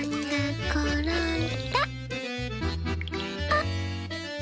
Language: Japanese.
あっ！